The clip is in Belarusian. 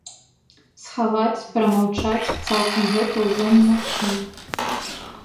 Схаваць, прамаўчаць цалкам гэта ўжо немагчыма.